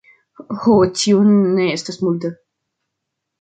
Ho, tio ne estas multe.